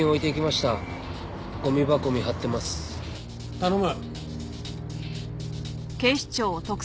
頼む。